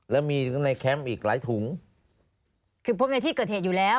แล้วมีในแคมป์อีกหลายถุงคือพบในที่เกิดเหตุอยู่แล้ว